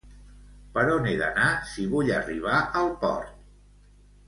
Per on he d'anar si vull arribar al port?